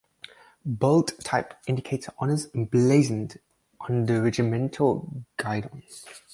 Bold type indicates honours emblazoned on the regimental guidon.